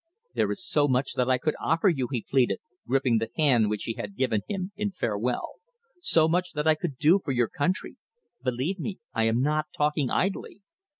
"There is so much that I could offer you," he pleaded, gripping the hand which she had given him in farewell, "so much that I could do for your country. Believe me, I am not talking idly."